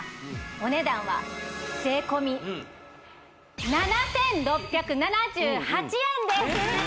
お値段は税込み７６７８円です